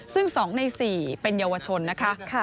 ซึ่ง๒ใน๔เป็นเยาวชนนะคะ